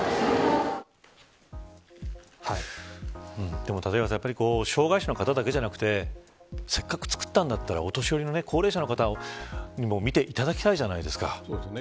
でも立岩さん障害者の方だけじゃなくてせっかく作ったんだったら高齢者の方にも見ていただきたいじゃないですか。